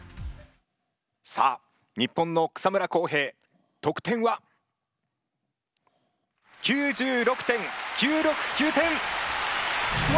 さあ日本の草村航平得点は。９６．９６９点！わお！